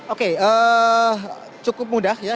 oke cukup mudah ya